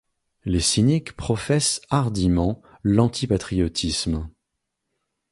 Les cyniques professent hardiment l’antipatriotisme.